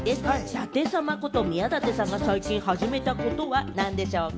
舘様こと、宮舘さんが最近始めたことは何でしょうか？